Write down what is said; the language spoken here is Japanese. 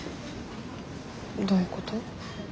どういうこと？